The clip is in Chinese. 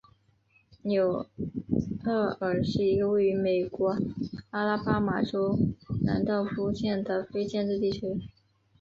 纽厄尔是一个位于美国阿拉巴马州兰道夫县的非建制地区。